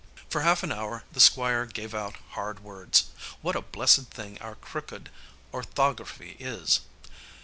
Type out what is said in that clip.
For half an hour the Squire gave out hard words. What a blessed thing our crooked orthography is!